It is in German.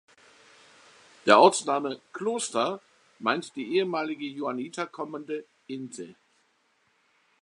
Der Ortsname „Kloster“ meint die ehemalige Johanniterkommende Inte.